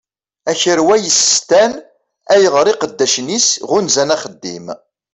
Akerwa yessestan ayɣeṛ iqeddacen-is ɣunzan axeddim.